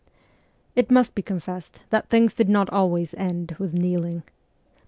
It must be confessed that things did not always end with kneeling.